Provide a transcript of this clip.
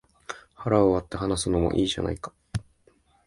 腹を割って話すのもいいじゃないか